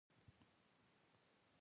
او ډېرې سیمې یې له لاسه ورکړې.